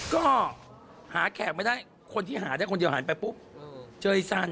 ก็หาแขกไม่ได้คนที่หาแต่คนที่หาไปปุ๊บเจยสัน